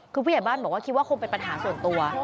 คือผู้ใหญ่บ้านบอกว่าคิดว่าคงเป็นปัญหาส่วนตัว